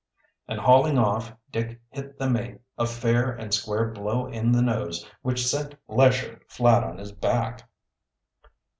And hauling off, Dick hit the mate a fair and square blow in the nose which sent Lesher flat on his back.